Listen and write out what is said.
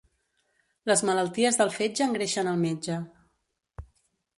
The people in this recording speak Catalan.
Les malalties del fetge engreixen el metge.